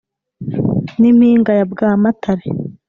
n’impinga ya bwamatare